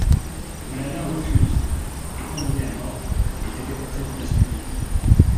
Malallah refuse, est condamné à mort, et décapité en place publique.